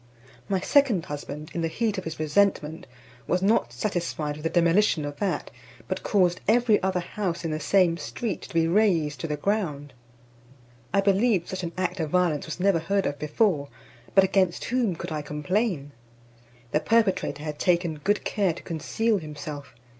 My second husband, in the heat of his resentment, was not satisfied with the demolition of that, but caused every other house in the same street to be razed to the ground. I believe such an act of violence was never heard of before; but against whom could I complain? The perpetrator had taken good care to conceal himself.